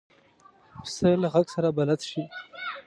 پسه له غږ سره بلد شي.